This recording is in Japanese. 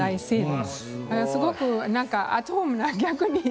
すごくなんかアットホームな逆に。